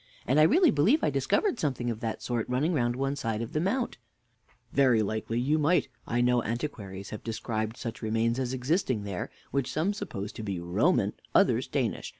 And I really believe I discovered something of that sort running round one side of the mount. Mr, A. Very likely you might. I know antiquaries have described such remains as existing there, which some suppose to be Roman, others Danish.